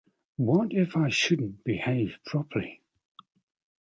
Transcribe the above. What if I shouldn’t behave properly?